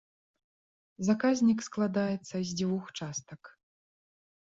Заказнік складаецца з дзвюх частак.